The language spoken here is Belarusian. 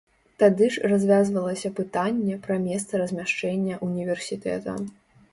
Тады ж развязвалася пытанне пра месца размяшчэння ўніверсітэта.